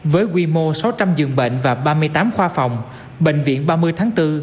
với quy mô sáu trăm linh giường bệnh và ba mươi tám khoa phòng bệnh viện ba mươi tháng bốn